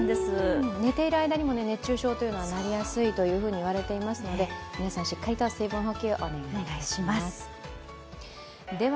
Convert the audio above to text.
寝ている間にもね、熱中症というのはなりやすいというふうにいわれていますので、皆さん、しっかりと水分補給お願いします。